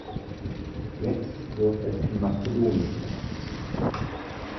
Jetzt wird es in Mazedonien gemacht.